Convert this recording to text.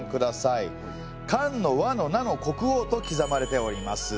漢の委の奴の国王と刻まれております。